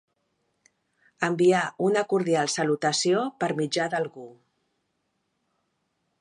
Enviar una cordial salutació per mitjà d'algú.